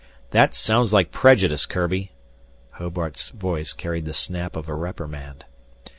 "That sounds like prejudice, Kurbi!" Hobart's voice carried the snap of a reprimand.